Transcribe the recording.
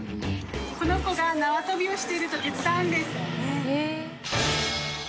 この子がなわ跳びをしていると手伝うんです。